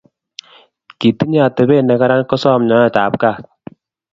Kitinye atebet ne karan kosom nyoet ab kaat